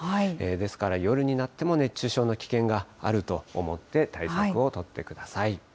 ですから、夜になっても熱中症の危険があると思って、対策を取ってください。